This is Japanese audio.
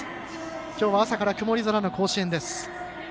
きょうは朝から曇り空の甲子園です。